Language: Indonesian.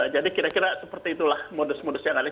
jadi kira kira seperti itulah modus modus yang ada